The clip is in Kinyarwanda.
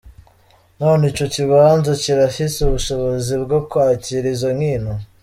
None ico kibanza kirafise ubushobozi bwo kwakira izo nkino?.